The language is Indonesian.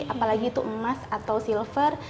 apalagi itu emas atau silver